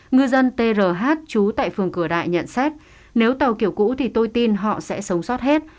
ngư dân th chú tại phường cửa đại nhận xét nếu tàu kiểu cũ thì tôi tin họ sẽ sống sót hết